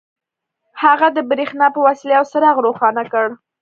هغه د برېښنا په وسيله يو څراغ روښانه کړ.